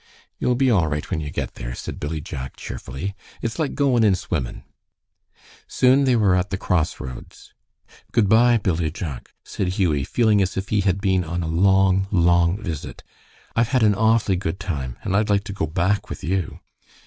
"You'll be all right when you get there," said Billy Jack, cheerfully. "It's like goin' in swimmin'." Soon they were at the cross roads. "Good by, Billy Jack," said Hughie, feeling as if he had been on a long, long visit. "I've had an awfully good time, and I'd like to go back with you."